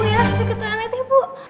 ya segitu aja deh bu